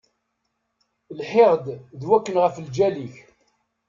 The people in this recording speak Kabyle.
Lhiɣ-d d wakken ɣef lǧal-ik.